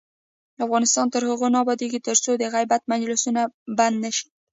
افغانستان تر هغو نه ابادیږي، ترڅو د غیبت مجلسونه بند نشي.